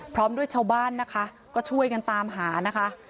พร้อมด้วยชาวบ้านนะคะก็ช่วยกันตามหานะคะ